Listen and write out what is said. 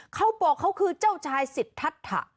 เขาบอกเขาคือเจ้าชายสิทธะ